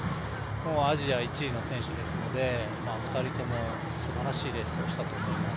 アジア１位の選手ですので２人ともすばらしいレースをしたと思います。